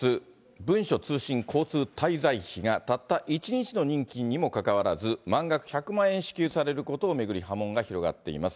文書通信交通滞在費がたった１日の任期にもかかわらず、満額１００万円支給されることを巡り、波紋が広がっています。